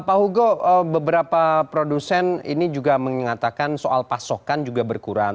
pak hugo beberapa produsen ini juga mengatakan soal pasokan juga berkurang